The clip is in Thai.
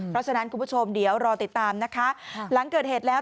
เพราะฉะนั้นคุณผู้ชมเดี๋ยวรอติดตามนะคะหลังเกิดเหตุแล้ว